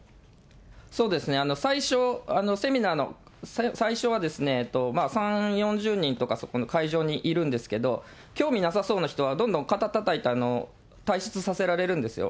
最初、セミナーの最初は、３、４０人とか、そこの会場にいるんですけど、興味なさそうな人は、どんどん肩たたいて退室させられるんですよ。